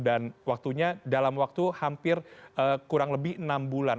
dan waktunya dalam waktu hampir kurang lebih enam bulan